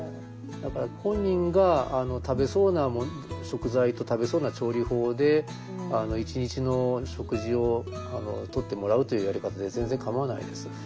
だから本人が食べそうな食材と食べそうな調理法で一日の食事をとってもらうというやり方で全然かまわないです。